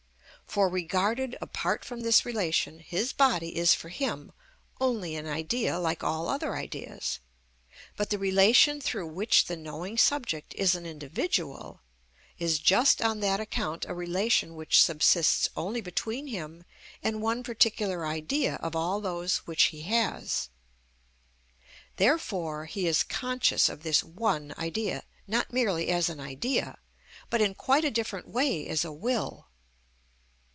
For regarded apart from this relation, his body is for him only an idea like all other ideas. But the relation through which the knowing subject is an individual, is just on that account a relation which subsists only between him and one particular idea of all those which he has. Therefore he is conscious of this one idea, not merely as an idea, but in quite a different way as a will.